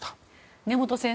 根本先生